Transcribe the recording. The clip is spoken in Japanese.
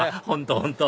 本当